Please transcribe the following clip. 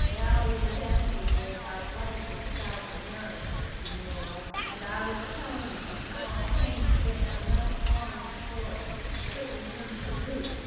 Galli was asking me about life in South America, signora; and I was telling him how I came to get my left arm spoiled. It was in Peru.